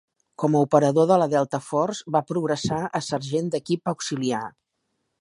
Com a operador de la Delta Force, va progressar a sergent d'equip auxiliar.